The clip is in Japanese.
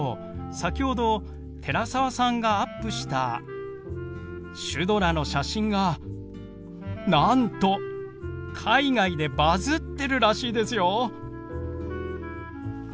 先ほど寺澤さんがアップしたシュドラの写真がなんと海外でバズってるらしいですよ。